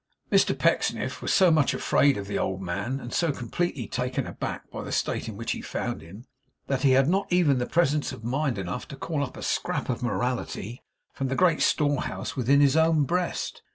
Mr Pecksniff was so much afraid of the old man, and so completely taken aback by the state in which he found him, that he had not even presence of mind enough to call up a scrap of morality from the great storehouse within his own breast.